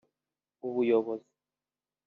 ubuyobozi